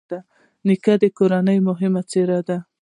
نیکه د کورنۍ مهمه څېره ده.